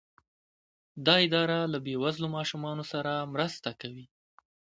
دا اداره له بې وزلو ماشومانو سره مرسته کوي.